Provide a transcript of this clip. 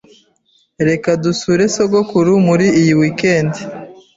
Reka dusure sogokuru muri iyi weekend.